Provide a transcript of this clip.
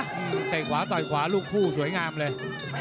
เตะขวาต่อยขวาลูกคู่สวยงามเลย